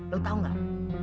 lo tau gak